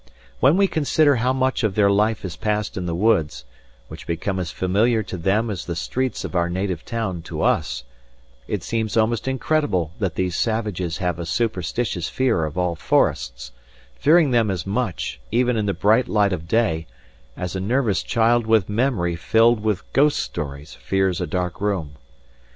When we consider how much of their life is passed in the woods, which become as familiar to them as the streets of our native town to us, it seems almost incredible that these savages have a superstitious fear of all forests, fearing them as much, even in the bright light of day, as a nervous child with memory filled with ghost stories fears a dark room.